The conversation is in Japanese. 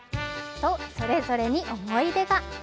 と、それぞれに思い出が。